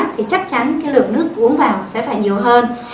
thì chắc chắn cái lượng nước uống vào sẽ phải nhiều hơn